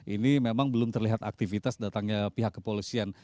ini memang belum terlihat aktivitas datangnya pihak kepolisian